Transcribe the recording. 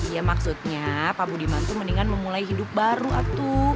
ya maksudnya pak budiman itu mendingan memulai hidup baru atau